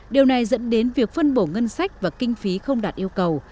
điều này dẫn đến việc phân bổ ngân sách và kinh phí không đạt yêu cầu